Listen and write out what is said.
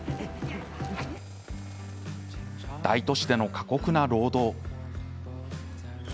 大都市での過酷な労働。